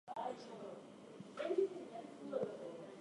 Before the war, he worked as a farmhand.